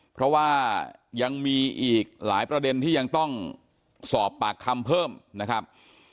เพราะว่ายังมีอีกหลายประเด็นที่ยังต้องสอบปากคำเพิ่มนะครับ